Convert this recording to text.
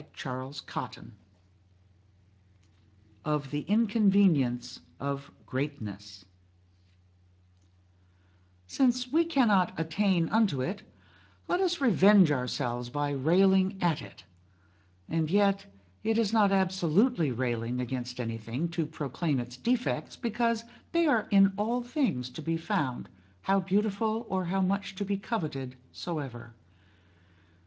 CHAPTER VII OF THE INCONVENIENCE OF GREATNESS Since we cannot attain unto it, let us revenge our selves by railing at it; and yet it is not absolutely railing against anything to proclaim its defects, because they are in all things to be found, how beautiful or how much to be coveted soever.